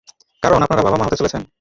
কারণ, আপনারা বাবা-মা হতে চলেছেন।